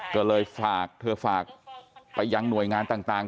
ก็เลยฝากเธอฝากไปยังหน่วยงานต่าง